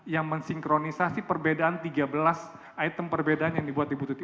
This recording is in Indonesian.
yang mensinkronisasi perbedaan tiga belas item perbedaan yang dibuat ibu tuti